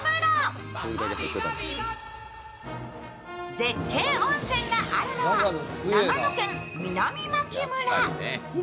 絶景温泉があるのは、長野県南牧村。